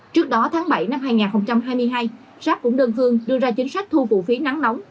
trước đó tháng bảy năm hai nghìn hai mươi hai shop cũng đơn phương đưa ra chính sách thu vụ phí nắng nóng